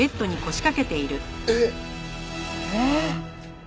えっ！？えっ。